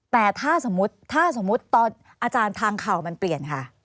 แต่ถ้าสมมุติถ้าสมมุติตอนอาจารย์ทางข่าวมันเปลี่ยนค่ะ